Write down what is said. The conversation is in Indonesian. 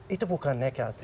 itu bukan nekat